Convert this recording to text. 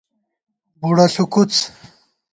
بُوڑہ ݪُوکُوڅ